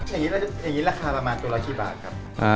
อย่างนี้ราคาประมาณตัวละกี่บาทครับ